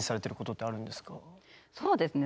そうですね。